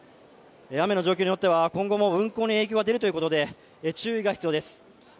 雨の状況によっては今後も運行に影響が出るということで注意が必要です。